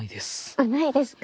あっないですか。